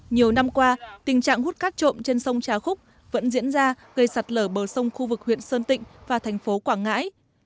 nhiều năm qua tình trạng hút cát trộm trên sông trà khúc vẫn diễn ra gây sạt lở bờ sông khu vực huyện sơn tịnh và thành phố quảng ngãi